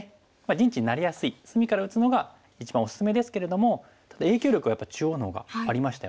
陣地になりやすい隅から打つのが一番おすすめですけれどもただ影響力はやっぱり中央の方がありましたよね。